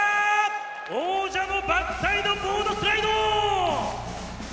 王者のバックサイドボードスライド！